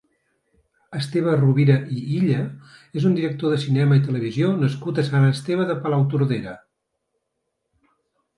Esteve Rovira i Illa és un director de cinema i televisió nascut a Sant Esteve de Palautordera.